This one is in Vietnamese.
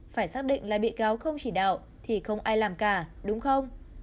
phải xác định là bị cáo không chỉ đạo thì không ai làm cả đúng không